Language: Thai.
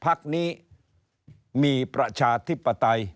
พักนี้มีประชาธิปไตย